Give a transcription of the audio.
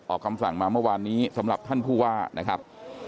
คำสั่งมาเมื่อวานนี้สำหรับท่านผู้ว่านะครับ